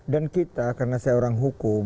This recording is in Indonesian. dan kita karena seorang hukum